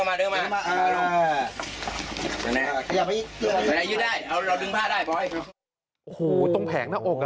โอ้โหตรงแผงหน้าอก